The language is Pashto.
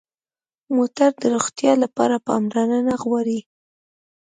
موټر د روغتیا لپاره پاملرنه غواړي.